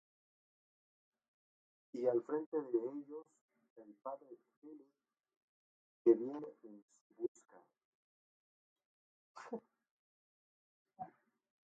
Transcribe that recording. Y al frente de ellos, el padre de Phillip, que viene en su busca.